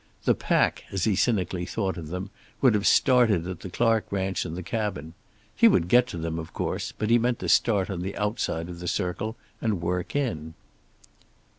The pack, as he cynically thought of them, would have started at the Clark ranch and the cabin. He would get to them, of course, but he meant to start on the outside of the circle and work in.